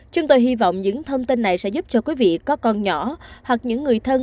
chúng tôi hy vọng những thông tin này sẽ giúp cho quý vị có con nhỏ hoặc những người thân